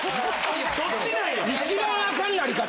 そっちなんや。